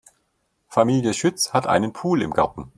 Familie Schütz hat einen Pool im Garten.